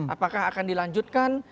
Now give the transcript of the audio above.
apakah akan dilanjutkan